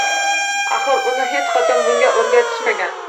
Axir, uni hech qachon bunga o`rgatishmagan